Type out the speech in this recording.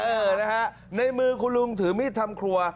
เออนะฮะในมือคุณลุงถือมีดทำครัว